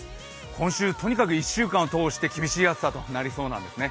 今週とにかく１週間を通して厳しい暑さとなりそうなんですね。